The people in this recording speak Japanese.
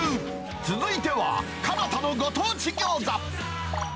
続いては、蒲田のご当地餃子。